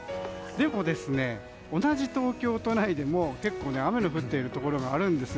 でも、同じ東京都内でも結構雨が降っているところがあるんです。